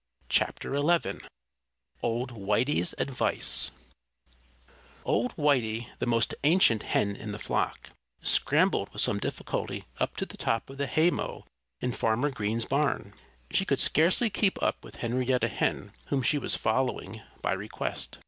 (Page 50)] XI OLD WHITEY'S ADVICE Old Whitey the most ancient hen in the flock scrambled with some difficulty up to the top of the haymow in Farmer Green's barn. She could scarcely keep up with Henrietta Hen, whom she was following by request.